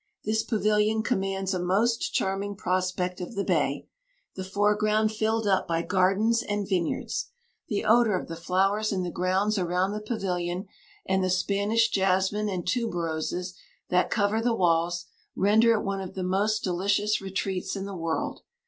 This pavilion commands a most charming prospect of the bay, the foreground filled up by gardens and vineyards. The odour of the flowers in the grounds around the pavilion, and the Spanish jasmine and tuberoses that cover the walls, render it one of the most delicious retreats in the world.